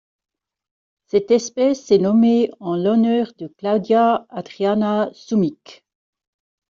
Cette espèce est nommée en l'honneur de Claudia Adriana Szumik.